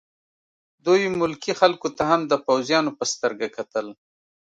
دوی ملکي خلکو ته هم د پوځیانو په سترګه کتل